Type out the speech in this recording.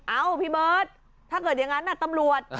เอ้าพี่เบิร์ตถ้าเกิดอย่างนั้นตำรวจ